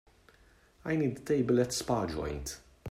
I need a table at spa joint